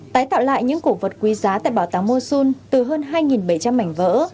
tái tạo lại những cổ vật quý giá tại bảo tàng monsun từ hơn hai bảy trăm linh mảnh vỡ